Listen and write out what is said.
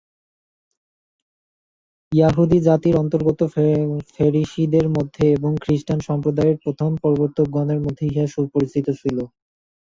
য়াহুদীজাতির অন্তর্গত ফ্যারিসীদের মধ্যে এবং খ্রীষ্টান সম্প্রদায়ের প্রথম প্রবর্তকগণের মধ্যে ইহা সুপরিচিত ছিল।